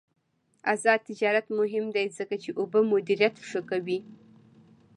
آزاد تجارت مهم دی ځکه چې اوبه مدیریت ښه کوي.